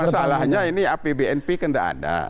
masalahnya ini apbnp kan tidak ada